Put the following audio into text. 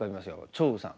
張栩さん。